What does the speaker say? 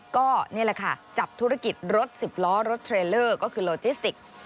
ก็นี่แหละค่ะจับธุรกิจรถสิบล้อรถเทรลเลอร์ก็คือโลจิสติก